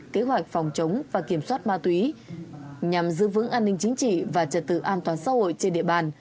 kế hoạch phòng chống và kiểm soát ma túy nhằm giữ vững an ninh chính trị và trật tự an toàn xã hội trên địa bàn